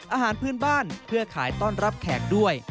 อาหารพื้นบ้านเพื่อขายต้อนรับแขกด้วย